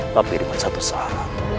tapi dengan satu saham